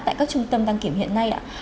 tại các trung tâm đăng kiểm hiện nay